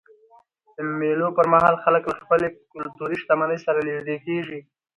د مېلو پر مهال خلک له خپلي کلتوري شتمنۍ سره نيژدې کېږي.